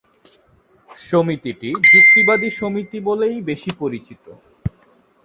সমিতিটি "যুক্তিবাদী সমিতি" বলেই বেশি পরিচিত।